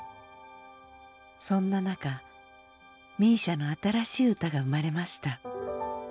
そんな中ＭＩＳＩＡの新しい歌が生まれました。